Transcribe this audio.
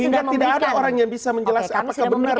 sehingga tidak ada orang yang bisa menjelaskan apakah benar ini apa ini